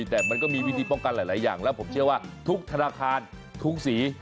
แต่มันก็มีวิธีป้องกันหลายอย่างแล้วผมเชื่อว่าทุกธนาคารทุกสี